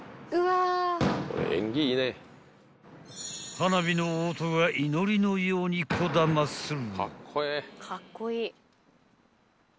［花火の音が祈りのようにこだまする］